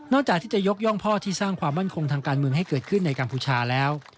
จากที่จะยกย่องพ่อที่สร้างความมั่นคงทางการเมืองให้เกิดขึ้นในกัมพูชาแล้ว